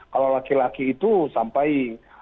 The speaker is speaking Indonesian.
kalau laki laki itu sampai